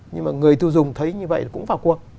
nhưng mà người tiêu dùng thấy như vậy cũng vào cua